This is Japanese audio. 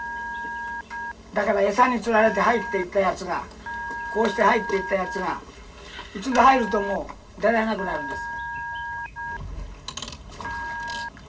だから餌に釣られて入っていったやつがこうして入っていったやつが一度入るともう出られなくなるんです。